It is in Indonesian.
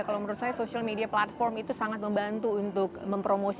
kalau menurut saya social media platform itu sangat membantu untuk mempromosikan